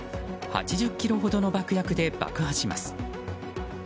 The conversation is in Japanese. ８０ｋｇほどの爆薬で爆破します。